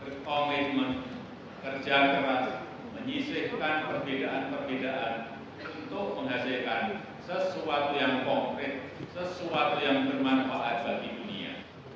berkomitmen kerja keras menyisihkan perbedaan perbedaan untuk menghasilkan sesuatu yang konkret sesuatu yang bermanfaat bagi dunia